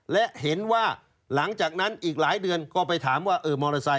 และเห็นว่าหลังจากนั้นอีกหลายเดือนก็ไปถามว่าเออมอเตอร์ไซค